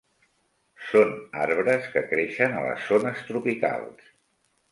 Són arbres que creixen a les zones tropicals.